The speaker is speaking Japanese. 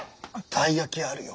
たい焼きあるよ。